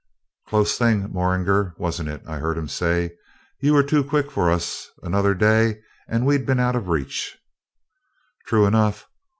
'Close thing, Morringer, wasn't it?' I heard him say. 'You were too quick for us; another day and we'd been out of reach.' 'True enough.